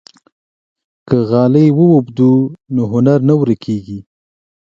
که غالۍ ووبدو نو هنر نه ورکيږي.